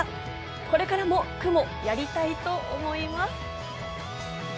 これからも雲やりたいと思います。